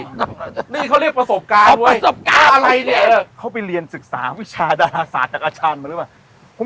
นี่เค้าเรียกประสบการณ์เพราะอะไรเนี่ยเค้าไปเรียนศึกษาวิชาดาราศาจากอาจารย์มาหรือเปล่า